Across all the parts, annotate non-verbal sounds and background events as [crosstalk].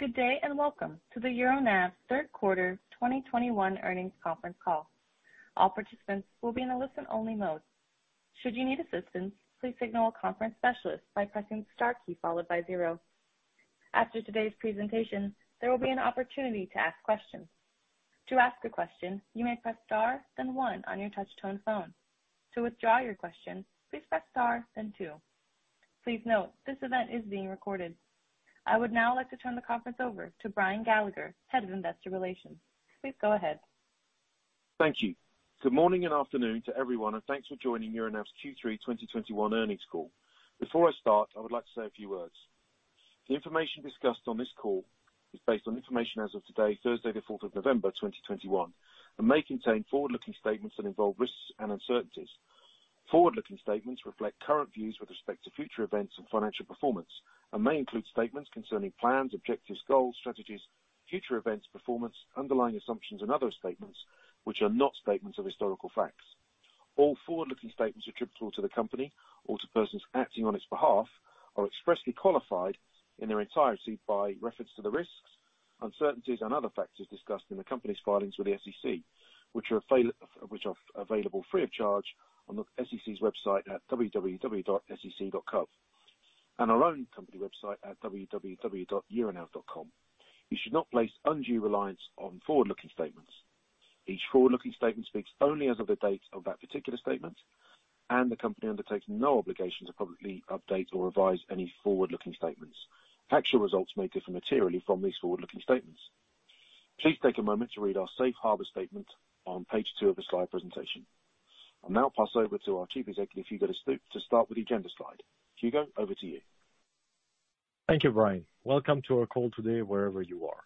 Good day, and welcome to the Euronav third quarter 2021 earnings conference call. All participants will be in a listen only mode. Should you need assistance, please signal a conference specialist by pressing star key followed by zero. After today's presentation, there will be an opportunity to ask questions. To ask a question, you may press Star then one on your touch-tone phone. To withdraw your question, please press Star then two. Please note, this event is being recorded. I would now like to turn the conference over to Brian Gallagher, Head of Investor Relations. Please go ahead. Thank you. Good morning and afternoon to everyone, and thanks for joining Euronav's Q3 2021 earnings call. Before I start, I would like to say a few words. The information discussed on this call is based on information as of today, Thursday, the 4th of November, 2021, and may contain forward-looking statements that involve risks and uncertainties. Forward-looking statements reflect current views with respect to future events and financial performance and may include statements concerning plans, objectives, goals, strategies, future events, performance, underlying assumptions and other statements which are not statements of historical facts. All forward-looking statements attributable to the company or to persons acting on its behalf are expressly qualified in their entirety by reference to the risks, uncertainties, and other factors discussed in the company's filings with the SEC, which are available free of charge on the SEC's website at www.sec.gov, and our own company website at www.euronav.com. You should not place undue reliance on forward-looking statements. Each forward-looking statement speaks only as of the date of that particular statement, and the company undertakes no obligation to publicly update or revise any forward-looking statements. Actual results may differ materially from these forward-looking statements. Please take a moment to read our safe harbor statement on page two of the slide presentation. I'll now pass over to our Chief Executive, Hugo De Stoop, to start with the agenda slide. Hugo, over to you. Thank you, Brian. Welcome to our call today, wherever you are.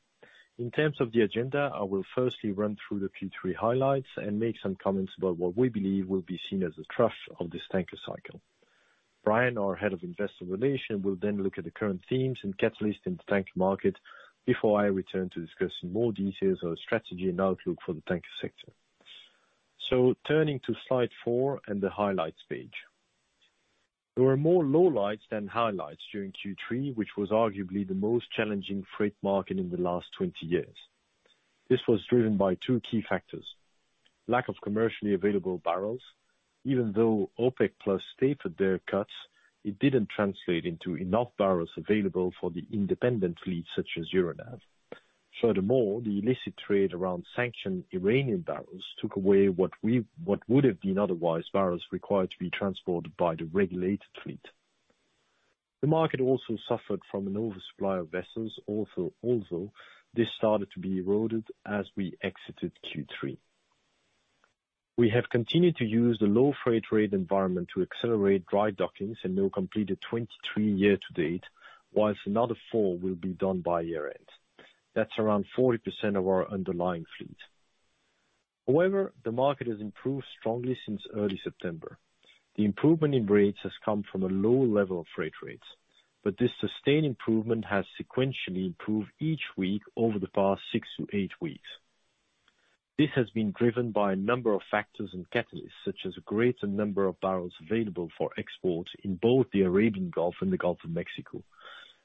In terms of the agenda, I will firstly run through the Q3 highlights and make some comments about what we believe will be seen as the thrust of this tanker cycle. Brian, our Head of Investor Relations, will then look at the current themes and catalysts in the tanker market before I return to discuss in more details our strategy and outlook for the tanker sector. Turning to slide four and the highlights page. There were more lowlights than highlights during Q3, which was arguably the most challenging freight market in the last 20 years. This was driven by two key factors, lack of commercially available barrels even though OPEC+ stuck to their cuts, it didn't translate into enough barrels available for the independent fleet such as Euronav. Furthermore, the illicit trade around sanctioned Iranian barrels took away what would have been otherwise barrels required to be transported by the regulated fleet. The market also suffered from an oversupply of vessels, this started to be eroded as we exited Q3. We have continued to use the low freight rate environment to accelerate dry dockings, and we will complete the 2023 year to date, whilst another four will be done by year-end. That's around 40% of our underlying fleet. However, the market has improved strongly since early September. The improvement in rates has come from a low level of freight rates, but this sustained improvement has sequentially improved each week over the past six-eight weeks. This has been driven by a number of factors and catalysts, such as a greater number of barrels available for export in both the Arabian Gulf and the Gulf of Mexico.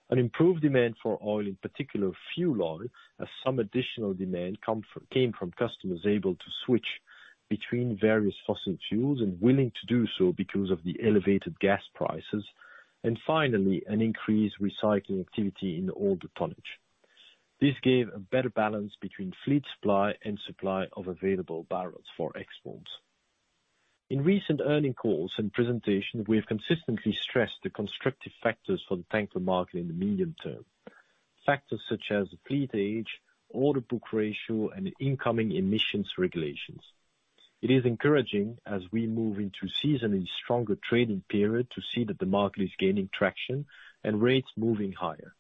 An improved demand for oil, in particular fuel oil, as some additional demand came from customers able to switch between various fossil fuels, and willing to do so because of the elevated gas prices. Finally, an increased recycling activity in older tonnage. This gave a better balance between fleet supply and supply of available barrels for exports. In recent earnings calls and presentation, we have consistently stressed the constructive factors for the tanker market in the medium term. Factors such as fleet age, order book ratio, and incoming emissions regulations. It is encouraging as we move into season and stronger trading period to see that the market is gaining traction and rates moving higher.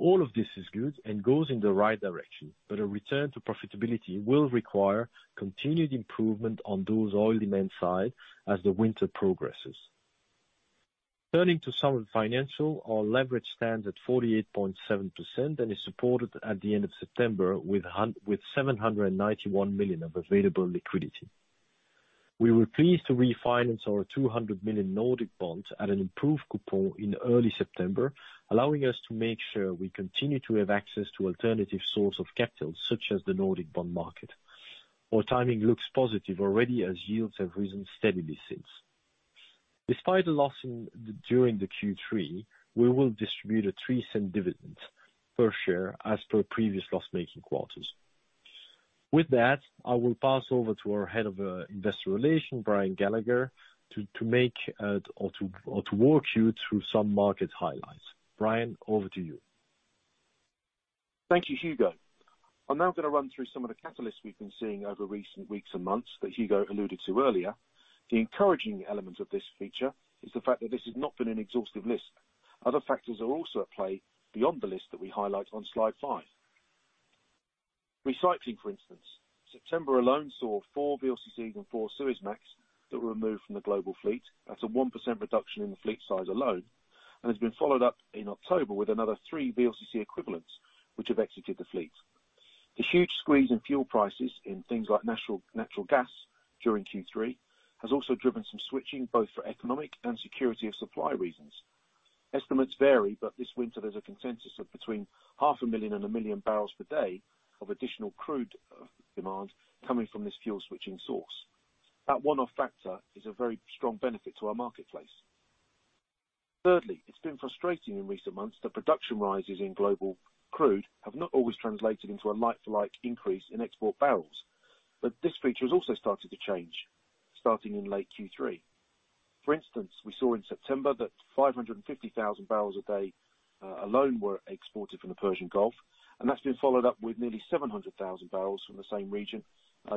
All of this is good and goes in the right direction, but a return to profitability will require continued improvement on those oil demand side as the winter progresses. Turning to some financial, our leverage stands at 48.7% and is supported at the end of September with $791 million of available liquidity. We were pleased to refinance our $200 million Nordic bonds at an improved coupon in early September, allowing us to make sure we continue to have access to alternative source of capital such as the Nordic bond market. Our timing looks positive already as yields have risen steadily since. Despite the loss during the Q3, we will distribute a $0.03 dividend per share as per previous loss-making quarters. With that, I will pass over to our Head of Investor Relations, Brian Gallagher, to walk you through some market highlights. Brian, over to you. Thank you, Hugo. I'm now gonna run through some of the catalysts we've been seeing over recent weeks and months that Hugo alluded to earlier. The encouraging element of this feature is the fact that this has not been an exhaustive list. Other factors are also at play beyond the list that we highlight on slide five. Recycling, for instance. September alone saw four VLCC and four Suezmax that were removed from the global fleet. That's a 1% reduction in the fleet size alone, and has been followed up in October with another three VLCC equivalents which have exited the fleet. The huge squeeze in fuel prices in things like natural gas during Q3 has also driven some switching, both for economic and security of supply reasons. Estimates vary, but this winter there's a consensus of between 500,000 and 1 million barrels per day of additional crude demand coming from this fuel switching source. That one-off factor is a very strong benefit to our marketplace. Thirdly, it's been frustrating in recent months that production rises in global crude have not always translated into a like-for-like increase in export barrels, but this feature has also started to change starting in late Q3. For instance, we saw in September that 550,000 barrels a day alone were exported from the Persian Gulf, and that's been followed up with nearly 700,000 barrels from the same region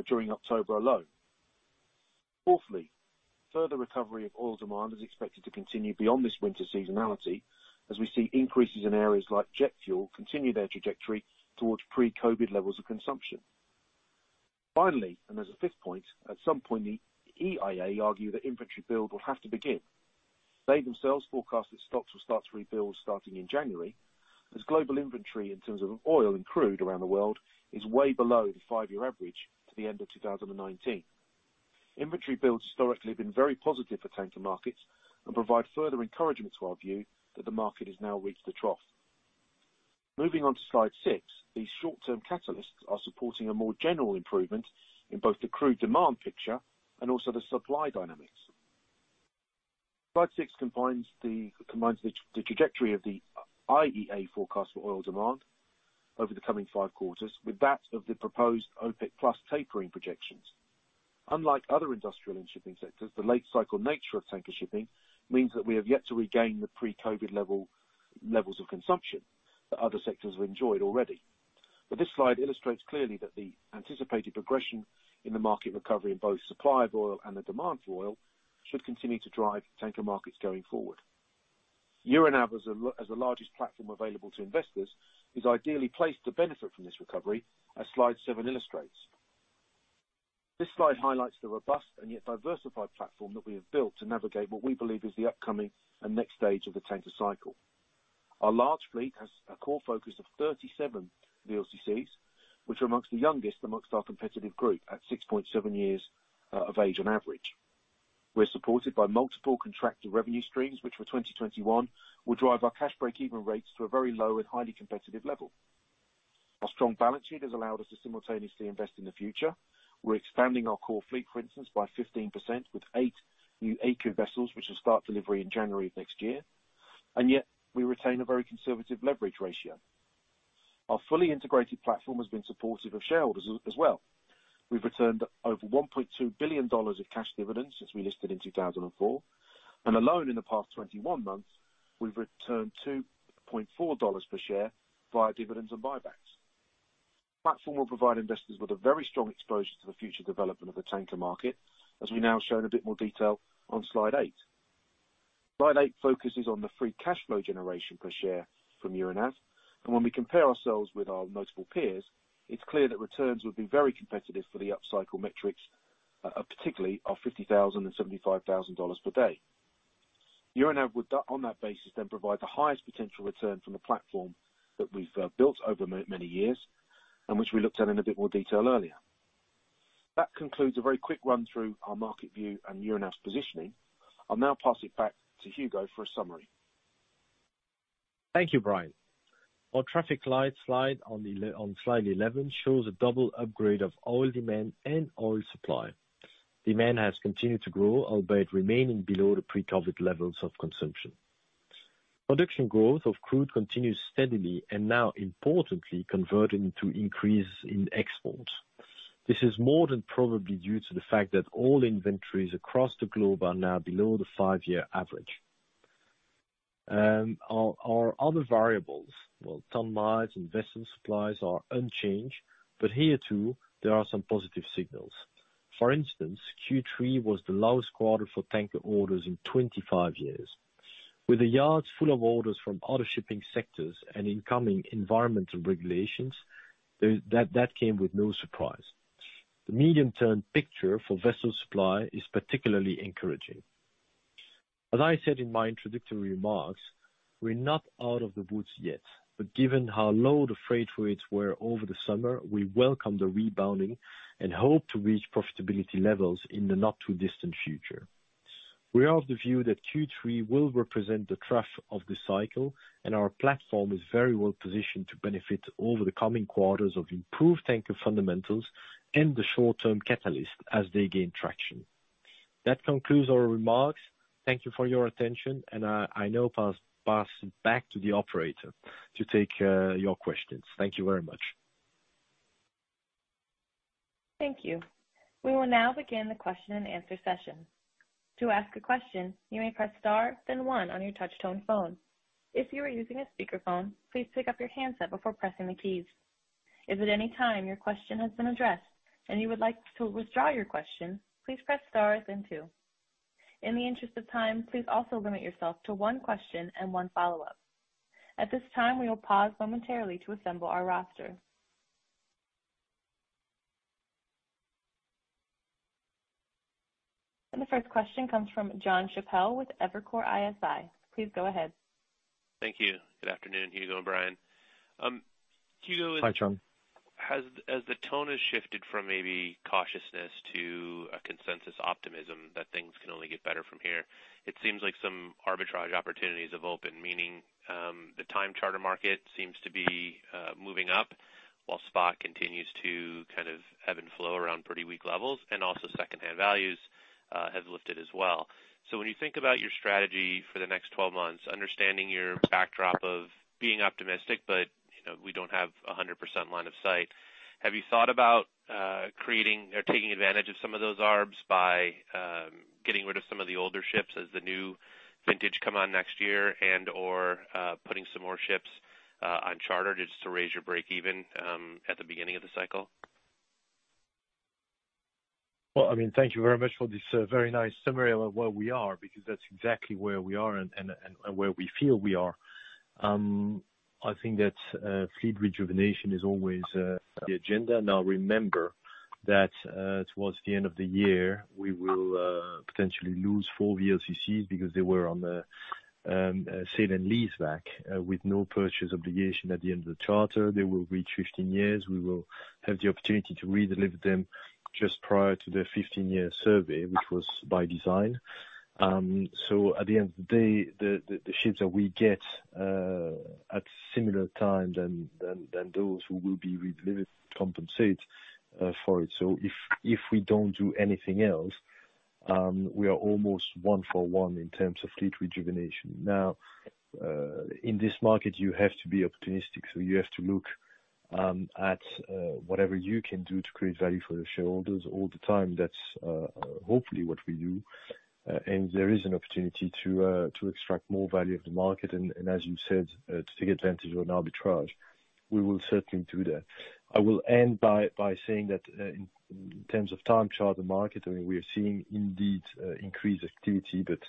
during October alone. Fourthly, further recovery of oil demand is expected to continue beyond this winter seasonality as we see increases in areas like jet fuel continue their trajectory towards pre-COVID levels of consumption. Finally, and as a fifth point, at some point, the EIA argue that inventory build will have to begin. They themselves forecast that stocks will start to rebuild starting in January, as global inventory in terms of oil and crude around the world is way below the five-year average to the end of 2019. Inventory builds historically have been very positive for tanker markets and provide further encouragement to our view that the market has now reached the trough. Moving on to slide six, these short-term catalysts are supporting a more general improvement in both the crude demand picture and also the supply dynamics. Slide six combines the trajectory of the IEA forecast for oil demand over the coming five quarters with that of the proposed OPEC+ tapering projections. Unlike other industrial and shipping sectors, the late cycle nature of tanker shipping means that we have yet to regain the pre-COVID levels of consumption that other sectors have enjoyed already. This slide illustrates clearly that the anticipated progression in the market recovery in both supply of oil and the demand for oil should continue to drive tanker markets going forward. Euronav as the largest platform available to investors is ideally placed to benefit from this recovery as slide seven illustrates. This slide highlights the robust and yet diversified platform that we have built to navigate what we believe is the upcoming and next stage of the tanker cycle. Our large fleet has a core focus of 37 VLCCs, which are among the youngest among our competitive group at 6.7 years of age on average. We're supported by multiple contracted revenue streams, which for 2021 will drive our cash break-even rates to a very low and highly competitive level. Our strong balance sheet has allowed us to simultaneously invest in the future. We're expanding our core fleet, for instance, by 15% with eight new Eco vessels, which will start delivery in January of next year. Yet we retain a very conservative leverage ratio. Our fully integrated platform has been supportive of shareholders as well. We've returned over $1.2 billion of cash dividends since we listed in 2004. Alone in the past 20 months, we've returned $2.4 per share via dividends and buybacks. Platform will provide investors with a very strong exposure to the future development of the tanker market as we now show in a bit more detail on slide eight. Slide eight focuses on the free cash flow generation per share from Euronav. When we compare ourselves with our multiple peers, it's clear that returns would be very competitive for the upcycle metrics, particularly our $50,000-$75,000 per day. Euronav would on that basis then provide the highest potential return from the platform that we've built over many years and which we looked at in a bit more detail earlier. That concludes a very quick run through our market view and Euronav's positioning. I'll now pass it back to Hugo for a summary. Thank you, Brian. Our traffic light slide on slide 11 shows a double upgrade of oil demand and oil supply. Demand has continued to grow, albeit remaining below the pre-COVID levels of consumption. Production growth of crude continues steadily and now importantly converting to increase in export. This is more than probably due to the fact that all inventories across the globe are now below the 5-year average. Our other variables, ton-miles and vessel supplies, are unchanged, but here too, there are some positive signals. For instance, Q3 was the lowest quarter for tanker orders in 25 years. With the yards full of orders from other shipping sectors and incoming environmental regulations, that came as no surprise. The medium-term picture for vessel supply is particularly encouraging. As I said in my introductory remarks, we're not out of the woods yet, but given how low the freight rates were over the summer, we welcome the rebounding and hope to reach profitability levels in the not too distant future. We are of the view that Q3 will represent the trough of this cycle, and our platform is very well positioned to benefit over the coming quarters of improved tanker fundamentals and the short-term catalyst as they gain traction. That concludes our remarks. Thank you for your attention and I now pass it back to the operator to take your questions. Thank you very much. Thank you. We will now begin the question and answer session. To ask a question, you may press star, then one on your touch tone phone. If you are using a speakerphone, please pick up your handset before pressing the keys. If at any time your question has been addressed and you would like to withdraw your question, please press stars and two. In the interest of time, please also limit yourself to one question and one follow-up. At this time, we will pause momentarily to assemble our roster. The first question comes from Jon Chappell with Evercore ISI. Please go ahead. Thank you. Good afternoon, Hugo and Brian. Hugo. Hi, Jon. As the tone has shifted from maybe cautiousness to a consensus optimism that things can only get better from here, it seems like some arbitrage opportunities have opened, meaning the time charter market seems to be moving up while spot continues to kind of ebb and flow around pretty weak levels. Also secondhand values have lifted as well. When you think about your strategy for the next 12 months, understanding your backdrop of being optimistic, but you know, we don't have 100% line of sight, have you thought about creating or taking advantage of some of those arbs by getting rid of some of the older ships as the new vintage come on next year and/or putting some more ships on charter just to raise your break even at the beginning of the cycle? Well, I mean, thank you very much for this, very nice summary of where we are, because that's exactly where we are and where we feel we are. I think that, fleet rejuvenation is always, the agenda. Now remember that, towards the end of the year, we will, potentially lose four VLCCs because they were on the, sale and leaseback, with no purchase obligation at the end of the charter. They will reach 15 years. We will have the opportunity to redeliver them just prior to their 15-year survey, which was by design. So at the end of the day, the ships that we get, at similar time than those who will be redelivered compensate, for it. If we don't do anything else, we are almost one for one in terms of fleet rejuvenation. Now in this market, you have to be opportunistic, so you have to look at whatever you can do to create value for the shareholders all the time. That's hopefully what we do. There is an opportunity to extract more value of the market. As you said, to take advantage on arbitrage. We will certainly do that. I will end by saying that in terms of time charter market, I mean, we are seeing indeed increased activity, but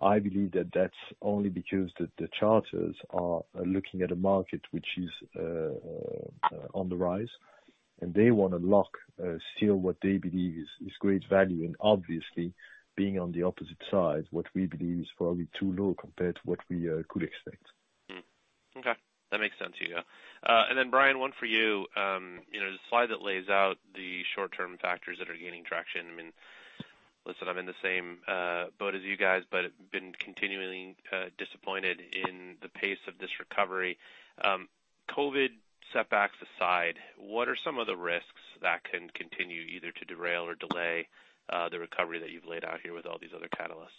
I believe that that's only because the charters are looking at a market which is on the rise, and they wanna lock still what they believe is great value. Obviously being on the opposite side, what we believe is probably too low compared to what we could expect. Okay. That makes sense, Hugo. Brian, one for you. You know, the slide that lays out the short-term factors that are gaining traction. I mean, listen, I'm in the same boat as you guys, but been continually disappointed in the pace of this recovery. COVID setbacks aside, what are some of the risks that can continue either to derail or delay the recovery that you've laid out here with all these other catalysts?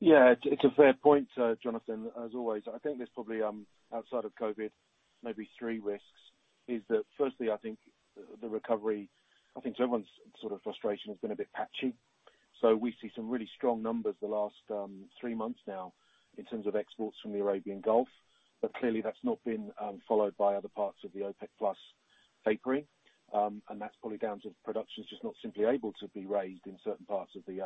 Yeah, it's a fair point, Jonathan, as always. I think there's probably outside of COVID, maybe three risks. That's firstly, I think the recovery, I think to everyone's sort of frustration, has been a bit patchy. We see some really strong numbers the last three months now in terms of exports from the Arabian Gulf. Clearly that's not been followed by other parts of the OPEC+ tapering. That's probably down to production's just not simply able to be raised in certain parts of the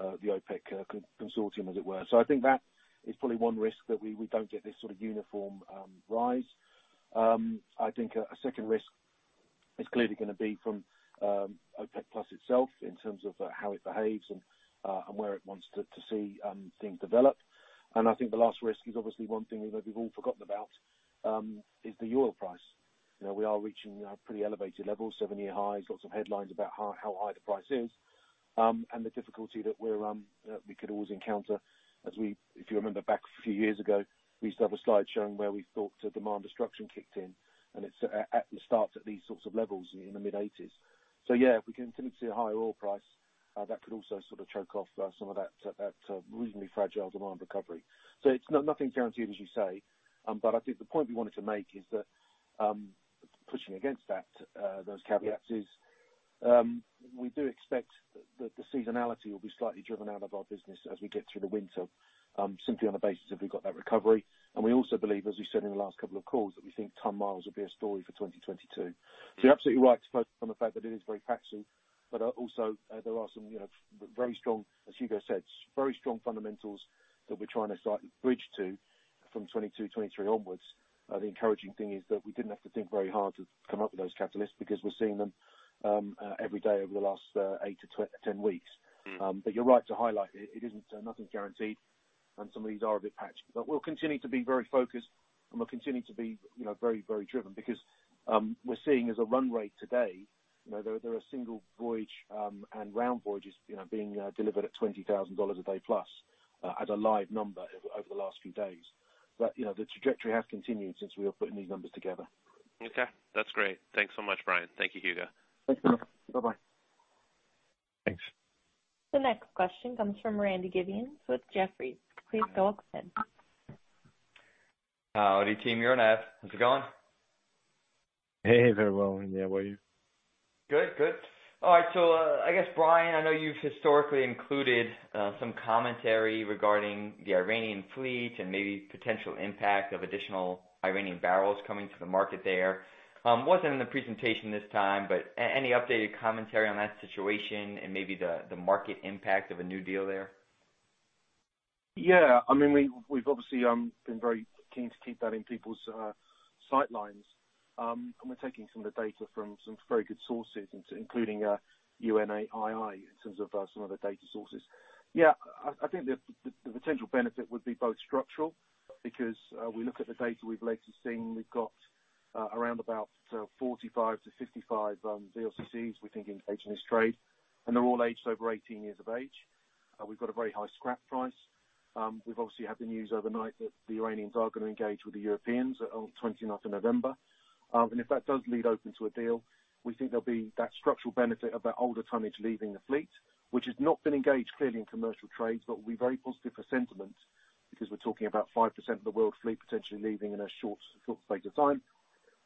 OPEC+ consortium, as it were. I think that is probably one risk that we don't get this sort of uniform rise. I think a second risk is clearly gonna be from OPEC+ itself in terms of how it behaves and where it wants to see things develop. I think the last risk is obviously one thing that we've all forgotten about, is the oil price. You know, we are reaching pretty elevated levels, seven-year highs. Lots of headlines about how high the price is, and the difficulty that we could always encounter, if you remember back a few years ago, we used to have a slide showing where we thought the demand destruction kicked in, and it's at the start at these sorts of levels in the mid-eighties. Yeah, if we continue to see a higher oil price, that could also sort of choke off some of that reasonably fragile demand recovery. It's nothing guaranteed, as you say. I think the point we wanted to make is that pushing against those caveats is we do expect the seasonality will be slightly driven out of our business as we get through the winter, simply on the basis of we've got that recovery. We also believe, as we said in the last couple of calls, that we think ton-miles will be a story for 2022. You're absolutely right to focus on the fact that it is very patchy, but also there are some, you know, very strong, as Hugo said, very strong fundamentals that we're trying to start to bridge to from 2022, 2023 onwards. The encouraging thing is that we didn't have to think very hard to come up with those catalysts because we're seeing them every day over the last eight to 10 weeks. Mm. You're right to highlight it. It isn't nothing guaranteed, and some of these are a bit patchy. We'll continue to be very focused, and we'll continue to be, you know, very, very driven because we're seeing as a run rate today, you know, there are single voyage and round voyages, you know, being delivered at $20,000 a day plus, at a live number over the last few days. The trajectory has continued since we were putting these numbers together. Okay, that's great. Thanks so much, Brian. Thank you, Hugo. Thanks, Jonathan. Bye-bye. Thanks. The next question comes from Randy Giveans with Jefferies. Please go ahead. Howdy, team. You're on F. How's it going? Hey there, Randy. How are you? Good, good. All right. I guess, Brian, I know you've historically included some commentary regarding the Iranian fleet and maybe potential impact of additional Iranian barrels coming to the market there. Wasn't in the presentation this time, but any updated commentary on that situation and maybe the market impact of a new deal there? I mean, we've obviously been very keen to keep that in people's sight lines. We're taking some of the data from some very good sources, including UANI, in terms of some of the data sources. I think the potential benefit would be both structural, because we look at the data we've lately seen. We've got around about 45-55 VLCCs, we think, in dark trade, and they're all aged over 18 years of age. We've got a very high scrap price. We've obviously had the news overnight that the Iranians are gonna engage with the Europeans on 29th of November. If that does lead open to a deal, we think there'll be that structural benefit of that older tonnage leaving the fleet, which has not been engaged clearly in commercial trades, but will be very positive for sentiment, because we're talking about 5% of the world fleet potentially leaving in a short space of time.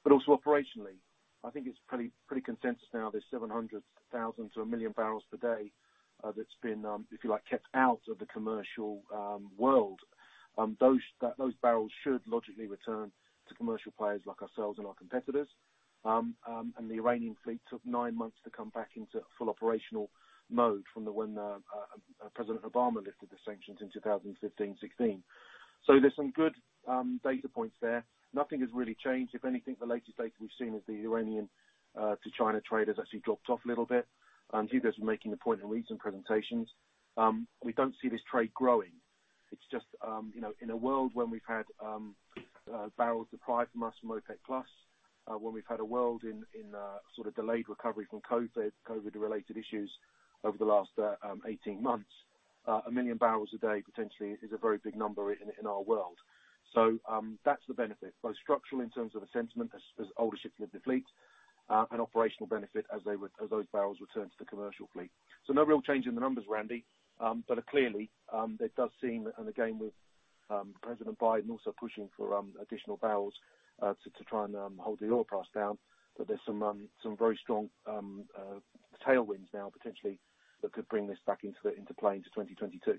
Operationally, I think it's pretty consensus now, there's 700,000-1 million barrels per day that's been, if you like, kept out of the commercial world. Those barrels should logically return to commercial players like ourselves and our competitors. The Iranian fleet took nine months to come back into full operational mode when President Obama lifted the sanctions in 2015/2016. There's some good data points there. Nothing has really changed. If anything, the latest data we've seen is the Iranian to China trade has actually dropped off a little bit. Hugo's making a point in recent presentations. We don't see this trade growing. It's just, you know, in a world when we've had barrels supplied from U.S., OPEC+, when we've had a world in sort of delayed recovery from COVID-related issues over the last 18 months, 1 million barrels a day potentially is a very big number in our world. That's the benefit, both structural in terms of the sentiment as older ships leave the fleet, and operational benefit as those barrels return to the commercial fleet. No real change in the numbers, Randy. Clearly, it does seem, and again, with President Biden also pushing for additional barrels to try and hold the oil price down, that there's some very strong tailwinds now, potentially, that could bring this back into play into 2022.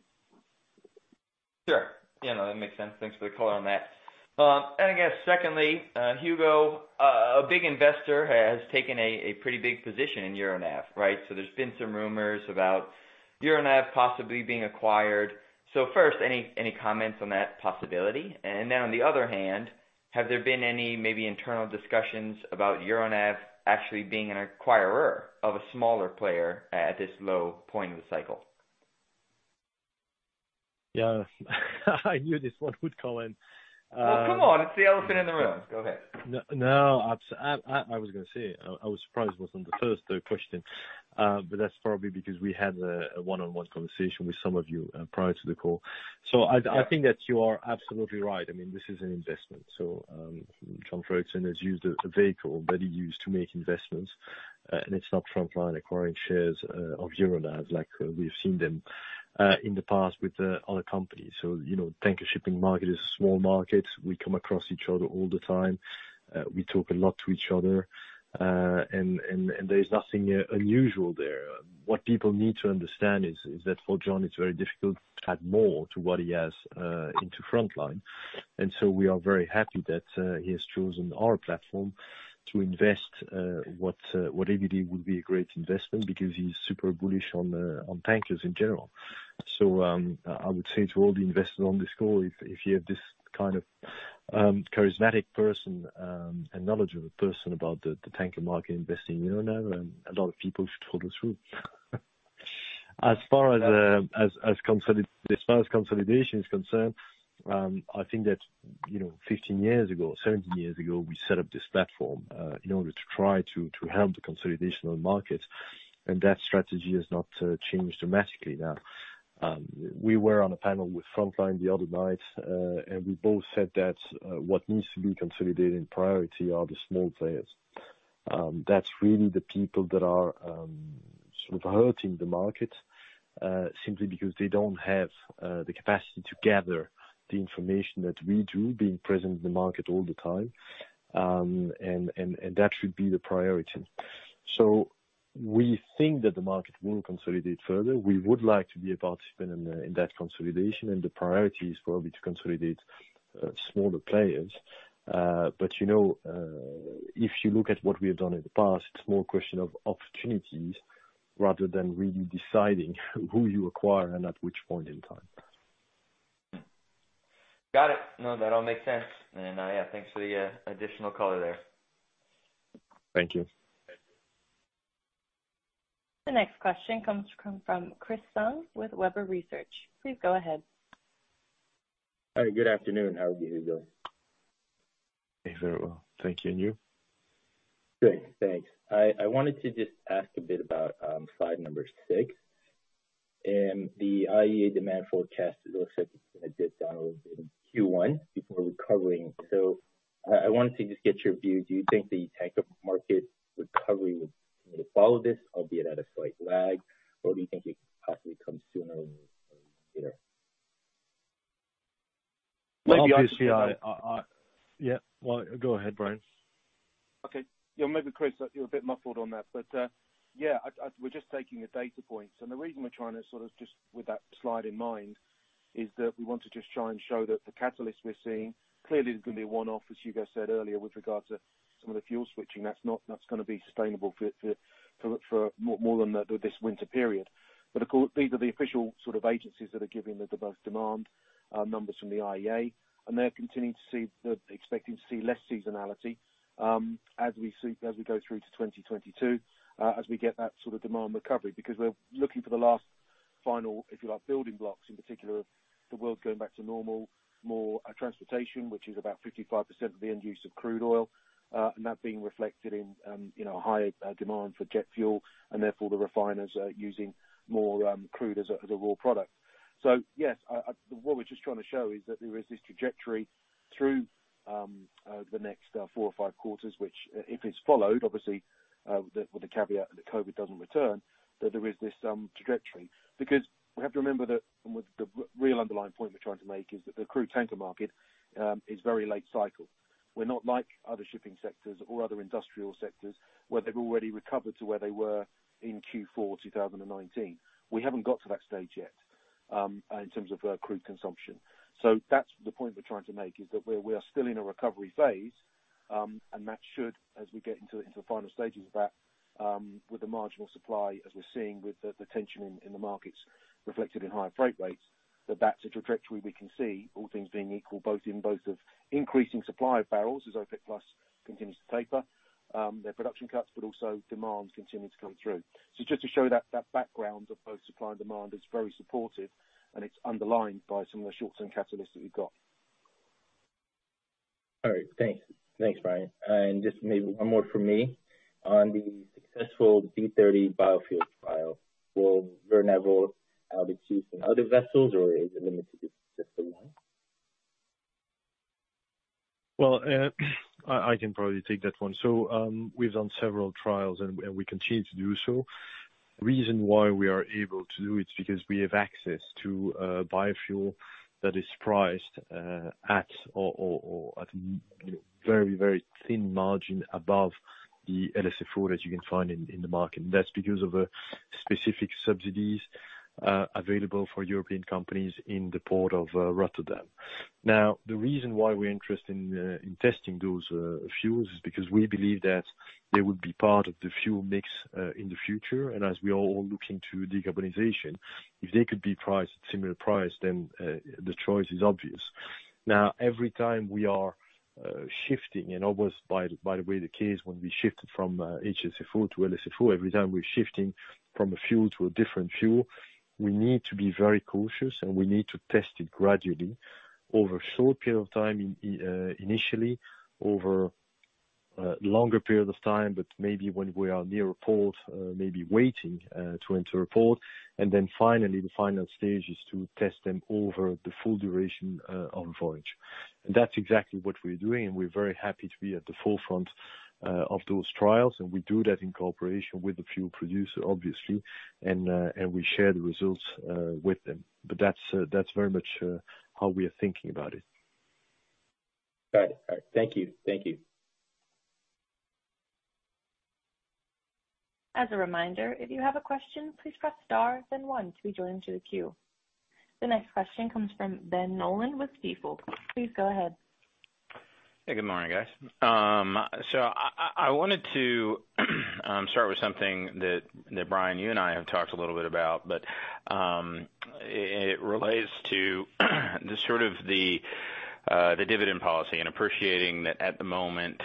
Sure. Yeah, no, that makes sense. Thanks for the color on that. I guess secondly, Hugo, a big investor has taken a pretty big position in Euronav, right? There's been some rumors about Euronav possibly being acquired. First, any comments on that possibility? Then on the other hand, have there been any maybe internal discussions about Euronav actually being an acquirer of a smaller player at this low point in the cycle? Yeah. I knew this one would come in. Well, come on, it's the elephant in the room. Go ahead. No, I was gonna say, I was surprised it wasn't the first question. But that's probably because we had a one-on-one conversation with some of you prior to the call. I think that you are absolutely right. I mean, this is an investment. John Fredriksen has used a vehicle that he used to make investments. It's not Frontline acquiring shares of Euronav like we've seen them in the past with the other companies. You know, tanker shipping market is a small market. We come across each other all the time. We talk a lot to each other. There's nothing unusual there. What people need to understand is that for John, it's very difficult to add more to what he has into Frontline. We are very happy that he has chosen our platform to invest whatever he did would be a great investment because he's super bullish on tankers in general. I would say to all the investors on this call, if you have this kind of charismatic person and knowledgeable person about the tanker market investing in Euronav, a lot of people should follow through. As far as consolidation is concerned, I think that you know, 15 years ago, 17 years ago, we set up this platform in order to try to help the consolidation on the market, and that strategy has not changed dramatically now. We were on a panel with Frontline the other night, and we both said that what needs to be consolidated in priority are the small players. That's really the people that are sort of hurting the market simply because they don't have the capacity to gather the information that we do, being present in the market all the time. And that should be the priority. We think that the market will consolidate further. We would like to be a participant in that consolidation, and the priority is to consolidate smaller players. You know if you look at what we have done in the past, it's more a question of opportunities rather than really deciding who you acquire and at which point in time. Got it. No, that all makes sense. Yeah, thanks for the additional color there. Thank you. Thank you. The next question comes from Chris Tsung with Webber Research. Please go ahead. Hi, good afternoon. How are you doing? Very well. Thank you. And you? Good, thanks. I wanted to just ask a bit about slide number 6. The IEA demand forecast looks like it's gonna dip down a little bit in Q1 before recovering. I wanted to just get your view. Do you think the tanker market recovery would follow this, albeit at a slight lag, or do you think it could possibly come sooner than later? Well, obviously I. Yeah. Well, go ahead, Brian. Okay. Yeah, maybe Chris, you're a bit muffled on that, but, yeah, we're just taking the data points. The reason we're trying to sort of just with that slide in mind is that we want to just try and show that the catalyst we're seeing clearly is gonna be a one-off, as you guys said earlier, with regard to some of the fuel switching. That's gonna be sustainable for more than this winter period. Of course, these are the official sort of agencies that are giving the demand numbers from the IEA, and they're continuing expecting to see less seasonality, as we go through to 2022, as we get that sort of demand recovery. We're looking for the last final, if you like, building blocks, in particular the world going back to normal, more transportation, which is about 55% of the end use of crude oil, and that being reflected in, you know, higher demand for jet fuel, and therefore, the refiners are using more crude as a raw product. Yes. What we're just trying to show is that there is this trajectory through the next four or five quarters, which, if it's followed, obviously, with the caveat that COVID doesn't return, that there is this trajectory. We have to remember that with the real underlying point we're trying to make is that the crude tanker market is very late cycle. We're not like other shipping sectors or other industrial sectors where they've already recovered to where they were in Q4 2019. We haven't got to that stage yet in terms of crude consumption. That's the point we're trying to make is that we're still in a recovery phase, and that should, as we get into the final stages of that, with the marginal supply as we're seeing with the tension in the markets reflected in higher freight rates, that's a trajectory we can see all things being equal, both of increasing supply of barrels as OPEC+ continues to taper their production cuts, but also demand continuing to come through. Just to show that background of both supply and demand is very supportive and it's underlined by some of the short-term catalysts that we've got. All right. Thanks. Thanks, Brian. Just maybe one more from me. On the successful B30 biofuels trial, will [audio distortion] now be used in other vessels or is it limited to just the one? Well, I can probably take that one. We've done several trials and we continue to do so. Reason why we are able to do it is because we have access to biofuel that is priced at or at, you know, very thin margin above the LSFO that you can find in the market, and that's because of specific subsidies available for European companies in the Port of Rotterdam. Now, the reason why we're interested in testing those fuels is because we believe that they would be part of the fuel mix in the future. As we are all looking to decarbonization, if they could be priced at similar price, then the choice is obvious. Now, every time we are shifting, and by the way, the case when we shifted from HSFO to LSFO, every time we're shifting from a fuel to a different fuel, we need to be very cautious, and we need to test it gradually over a short period of time, initially, over a longer period of time, but maybe when we are near a port, maybe waiting to enter a port. Then finally, the final stage is to test them over the full duration of voyage. That's exactly what we're doing, and we're very happy to be at the forefront of those trials, and we do that in cooperation with the fuel producer, obviously, and we share the results with them. That's very much how we are thinking about it. Got it. All right. Thank you. Thank you. As a reminder, if you have a question, please press star then one to be joined to the queue. The next question comes from Ben Nolan with Stifel. Please go ahead. Hey, good morning, guys. I wanted to start with something that Brian, you and I have talked a little bit about, but it relates to sort of the dividend policy and appreciating that at the moment,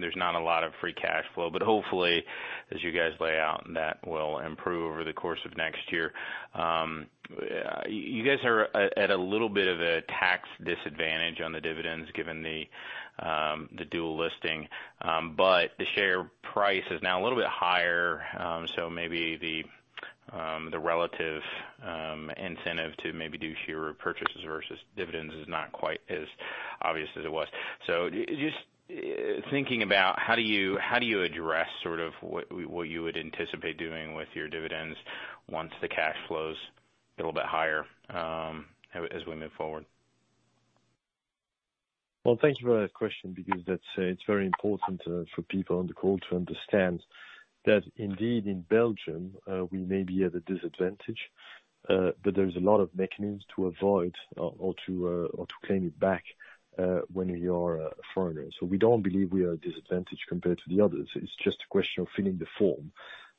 there's not a lot of free cash flow, but hopefully, as you guys lay out, that will improve over the course of next year. You guys are at a little bit of a tax disadvantage on the dividends given the dual listing. The share price is now a little bit higher, so maybe the relative incentive to maybe do share repurchases versus dividends is not quite as obvious as it was. Just thinking about how do you address sort of what you would anticipate doing with your dividends once the cash flow's a little bit higher, as we move forward? Well, thank you for that question because that's, it's very important for people on the call to understand that indeed, in Belgium, we may be at a disadvantage, but there's a lot of mechanisms to avoid or to claim it back when you are a foreigner. We don't believe we are at a disadvantage compared to the others. It's just a question of filling the form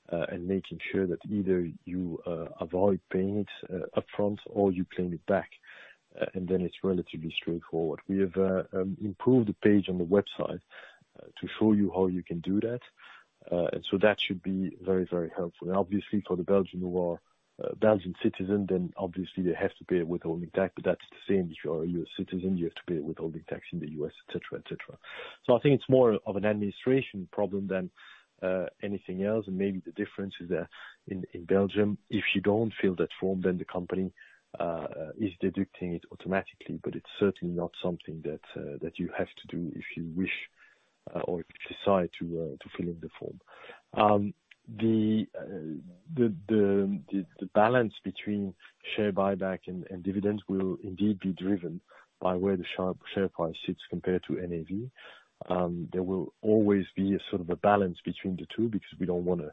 and making sure that either you avoid paying it up front or you claim it back, and then it's relatively straightforward. We have improved the page on the website to show you how you can do that. That should be very, very helpful. Obviously for the Belgian who are Belgian citizen, then obviously they have to pay withholding tax, but that's the same if you are a U.S. citizen, you have to pay withholding tax in the U.S., et cetera, et cetera. I think it's more of an administration problem than anything else. Maybe the difference is that in Belgium, if you don't fill that form, then the company is deducting it automatically, but it's certainly not something that you have to do if you wish or if you decide to fill in the form. The balance between share buyback and dividends will indeed be driven by where the share price sits compared to NAV. There will always be a sort of a balance between the two because we don't wanna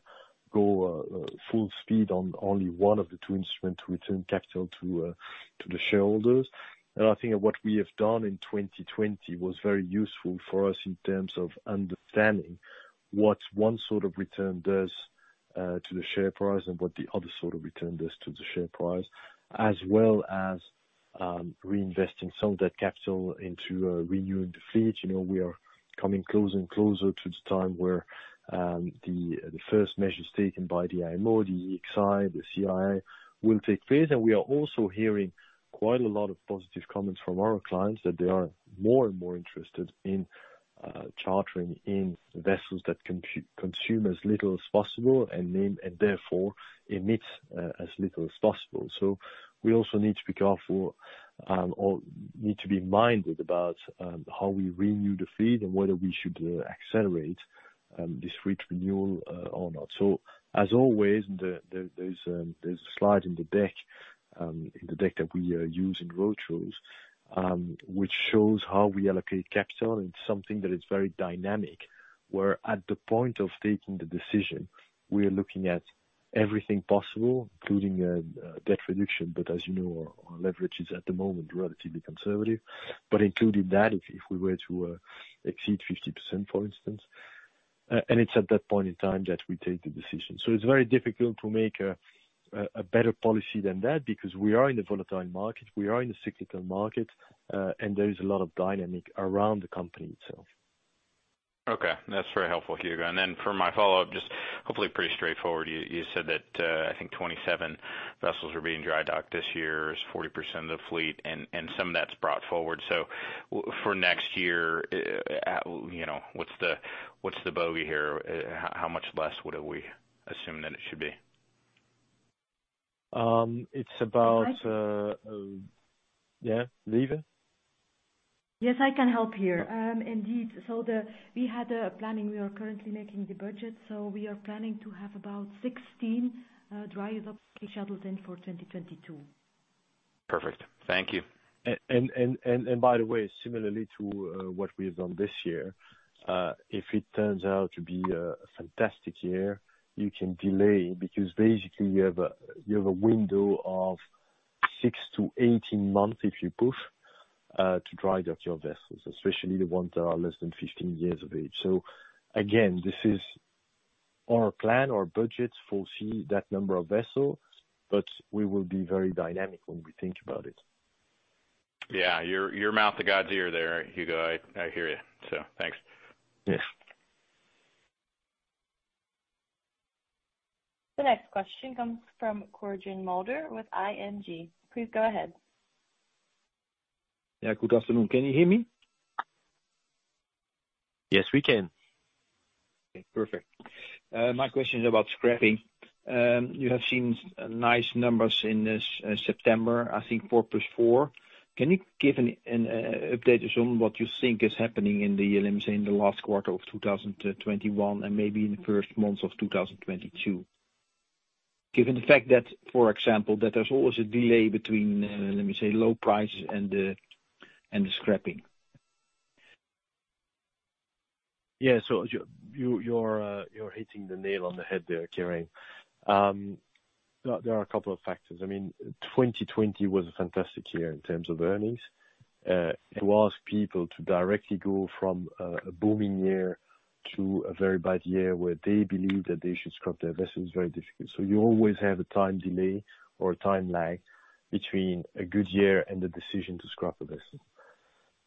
go full speed on only one of the two instruments to return capital to the shareholders. I think what we have done in 2020 was very useful for us in terms of understanding what one sort of return does to the share price and what the other sort of return does to the share price, as well as reinvesting some of that capital into renewing the fleet. You know, we are coming closer and closer to the time where the first measures taken by the IMO, the EEXI, the CII will take place. We are also hearing quite a lot of positive comments from our clients that they are more and more interested in chartering in vessels that consume as little as possible and therefore emits as little as possible. We also need to be careful or need to be minded about how we renew the fleet and whether we should accelerate this fleet renewal or not. As always, there's a slide in the deck that we use in roadshows which shows how we allocate capital and something that is very dynamic. Where at the point of taking the decision, we are looking at everything possible, including debt reduction. As you know, our leverage is at the moment relatively conservative. Including that, if we were to exceed 50%, for instance, and it's at that point in time that we take the decision. It's very difficult to make a better policy than that because we are in a volatile market, we are in a cyclical market, and there is a lot of dynamic around the company itself. Okay, that's very helpful, Hugo. Then for my follow-up, just hopefully pretty straightforward. You said that I think 27 vessels are being dry docked this year, is 40% of the fleet, and some of that's brought forward. For next year, you know, what's the bogey here? How much less would we assume than it should be? It's about. I think. Yeah. Lieve? Yes, I can help here. Indeed. We had a planning. We are currently making the budget, so we are planning to have about 16 dry dock schedules in for 2022. Perfect. Thank you. By the way, similarly to what we have done this year, if it turns out to be a fantastic year, you can delay, because basically you have a window of 6-18 months if you push to dry dock your vessels, especially the ones that are less than 15 years of age. Again, this is our plan. Our budgets foresee that number of vessels, but we will be very dynamic when we think about it. Yeah, your mouth to God's ear there, Hugo. I hear you. Thanks. Yes. The next question comes from Quirijn Mulder with ING. Please go ahead. Yeah. Good afternoon. Can you hear me? Yes, we can. Okay, perfect. My question is about scrapping. You have seen nice numbers in September, I think 4 + 4. Can you give us an update on what you think is happening in the last quarter of 2021 and maybe in the first months of 2022? Given the fact that, for example, there's always a delay between low prices and the scrapping. You're hitting the nail on the head there, Quirijn. There are a couple of factors. I mean, 2020 was a fantastic year in terms of earnings. It was difficult for people to directly go from a booming year to a very bad year where they believe that they should scrap their vessels. Very difficult. You always have a time delay or a time lag between a good year and the decision to scrap a vessel.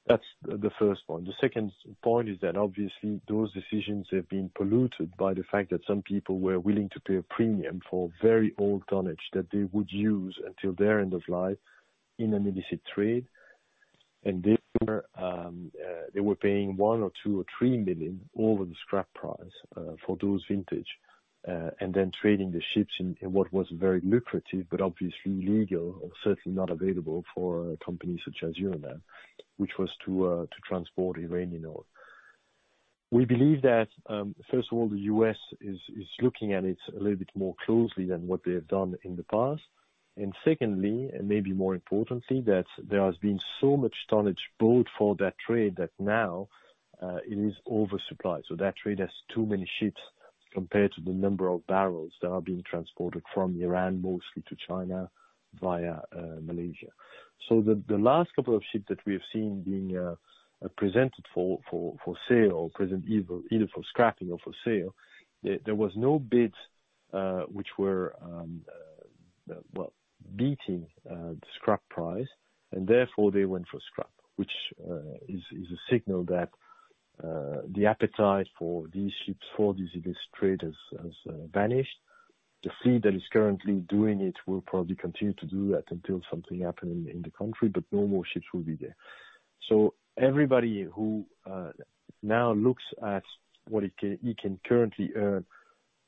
That's the first point. The second point is that obviously those decisions have been polluted by the fact that some people were willing to pay a premium for very old tonnage that they would use until their end of life in an illicit trade. Therefore, they were paying $1 million, $2 million, or $3 million over the scrap price for those vintage, and then trading the ships in what was very lucrative but obviously illegal or certainly not available for companies such as Euronav, which was to transport Iranian oil. We believe that, first of all, the U.S. is looking at it a little bit more closely than what they have done in the past. Secondly, and maybe more importantly, that there has been so much tonnage built for that trade that now it is oversupplied. That trade has too many ships compared to the number of barrels that are being transported from Iran, mostly to China via Malaysia. The last couple of ships that we have seen being presented either for scrapping or for sale, there was no bids which were well beating the scrap price, and therefore they went for scrap, which is a signal that the appetite for these ships for this illicit trade has vanished. The fleet that is currently doing it will probably continue to do that until something happens in the country, but no more ships will be there. Everybody who now looks at what he can currently earn,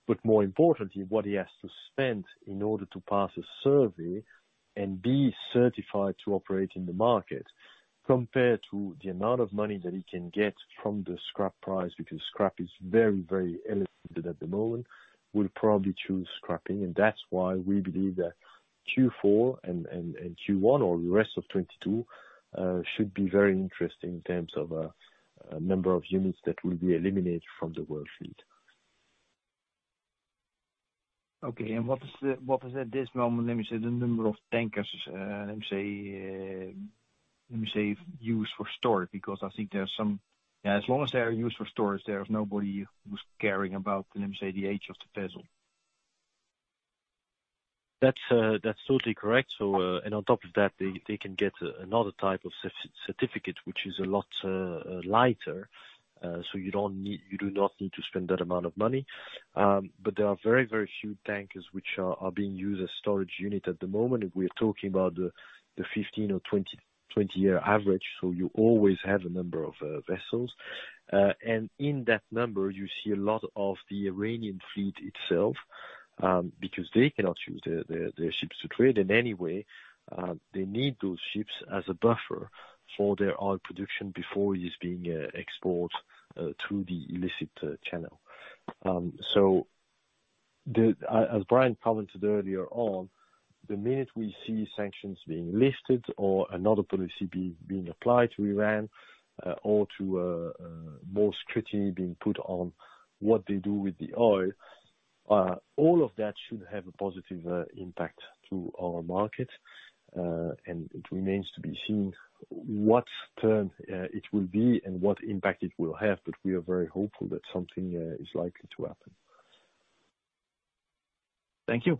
but more importantly, what he has to spend in order to pass a survey and be certified to operate in the market compared to the amount of money that he can get from the scrap price, because scrap is very, very elevated at the moment, will probably choose scrapping. That's why we believe that Q4 and Q1 or the rest of 2022 should be very interesting in terms of number of units that will be eliminated from the working fleet. Okay. What is at this moment, let me say the number of tankers, let me say used for storage. Because I think there are some. Yeah, as long as they are used for storage, there is nobody who's caring about, let me say, the age of the vessel. That's totally correct. On top of that, they can get another type of certificate which is a lot lighter. You do not need to spend that amount of money. There are very few tankers which are being used as storage unit at the moment. If we're talking about the 15- or 20-year average, you always have a number of vessels. In that number you see a lot of the Iranian fleet itself, because they cannot use their ships to trade in any way. They need those ships as a buffer for their oil production before it is being exported through the illicit channel. As Brian commented earlier on, the minute we see sanctions being lifted or another policy being applied to Iran, or to more scrutiny being put on what they do with the oil, all of that should have a positive impact to our market. It remains to be seen what term it will be and what impact it will have, but we are very hopeful that something is likely to happen. Thank you.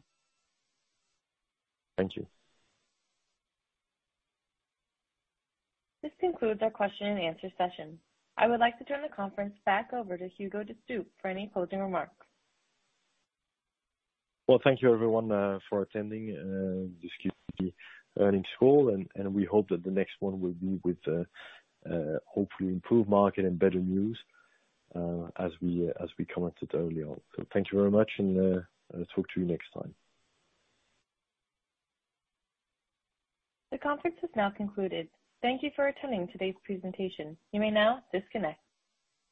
Thank you. This concludes our question and answer session. I would like to turn the conference back over to Hugo De Stoop for any closing remarks. Well, thank you everyone for attending this Q3 earnings call, and we hope that the next one will be with hopefully improved market and better news, as we commented earlier on. Thank you very much and I will talk to you next time. The conference has now concluded. Thank you for attending today's presentation. You may now disconnect.